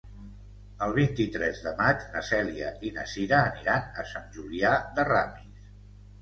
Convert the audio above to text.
El vint-i-tres de maig na Cèlia i na Cira aniran a Sant Julià de Ramis.